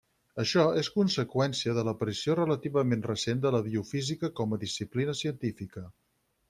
Això és conseqüència de l'aparició relativament recent de la biofísica com a disciplina científica.